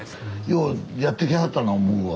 ようやってきはったな思うわ。